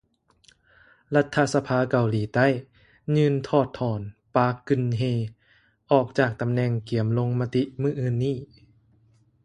ລັດຖະສະພາເກົາຫລີໃຕ້ ຍື່ນຖອດຖອນ ປາກ ກຶນເຮ ອອກຈາກຕຳແໜ່ງ ກຽມລົງມະຕິມື້ອື່ນນີ້